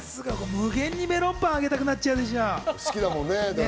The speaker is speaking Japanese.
無限にメロンパンあげたくなちゃうでしょ？